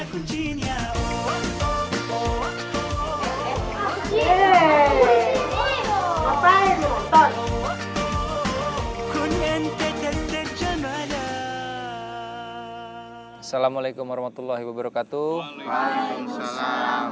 kok udah bangun harian berantem